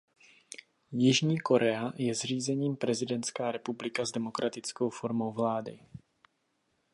Jižní Korea je zřízením prezidentská republika s demokratickou formou vlády.